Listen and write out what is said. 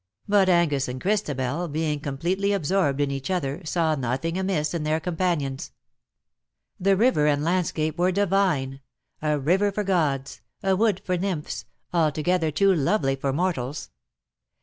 But Angus and Christabel, being com pletely absorbed in each other, saw nothing amiss in their companions. The river and the landscape were divine — a river for gods — a wood for nymphs — altogether too lovely for mortals.